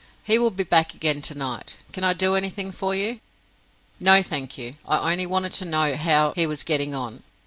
He will be back again tonight. Can I do anything for you?" "No, thank you. I only wanted to know how he was getting on.